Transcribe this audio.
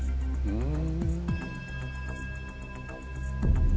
うん。